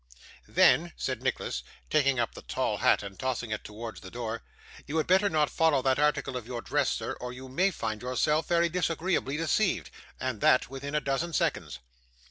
'Then,' said Nicholas, taking up the tall hat and tossing it towards the door, 'you had better follow that article of your dress, sir, or you may find yourself very disagreeably deceived, and that within a dozen seconds.